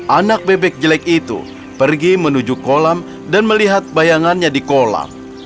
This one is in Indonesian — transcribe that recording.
anak bebek jelek itu pergi menuju kolam dan melihat bayangannya di kolam